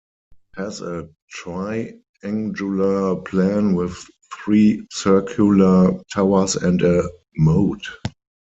It has a triangular plan with three circular towers and a moat.